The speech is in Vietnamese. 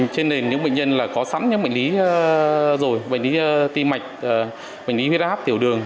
trên nền những bệnh nhân có sẵn những bệnh lý rồi bệnh lý tim mạch bệnh lý huyết áp tiểu đường